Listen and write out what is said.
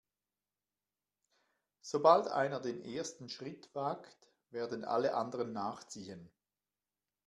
Sobald einer den ersten Schritt wagt, werden alle anderen nachziehen.